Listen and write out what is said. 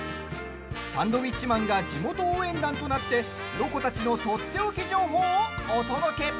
サンドウィッチマンが地元応援団となってロコたちのとっておき情報をお届け！